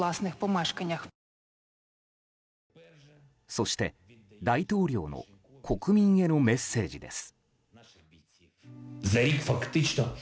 そして大統領の国民へのメッセージです。